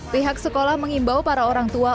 pihak sekolah mengimbau para orang tua